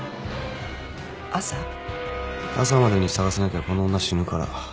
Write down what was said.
「朝までに捜せなきゃこの女死ぬから。